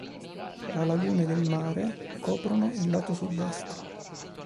La laguna ed il mare coprono il lato sud est.